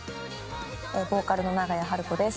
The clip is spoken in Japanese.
ボーカルの長屋晴子です。